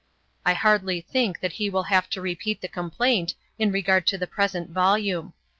I hardly think that he will have to repeat the complaint in regard to the present volume.